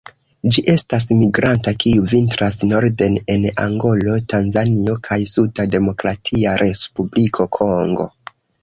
Ĝi estas migranta kiu vintras norden en Angolo, Tanzanio kaj suda Demokratia Respubliko Kongo.